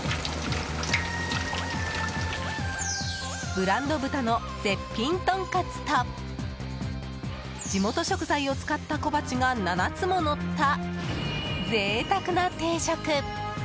ブランド豚の絶品とんかつと地元食材を使った小鉢が７つものった、贅沢な定食！